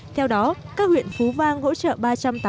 theo đó các huyện phú vang hỗ trợ ba trăm tám mươi bốn chín mươi bảy tấn